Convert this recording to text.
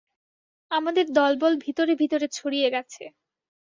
আমাদের দলবল ভিতরে ভিতরে ছড়িয়ে গেছে।